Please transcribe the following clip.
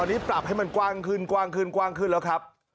ตอนนี้ปรับให้มันกว้างขึ้นกว้างขึ้นกว้างขึ้นแล้วครับ